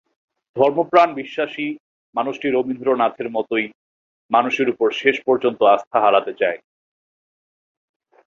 ধর্মপ্রাণ বিশ্বাসী মানুষটি রবীন্দ্রনাথের মতোই মানুষের ওপর শেষ পর্যন্ত আস্থা হারাতে চাননি।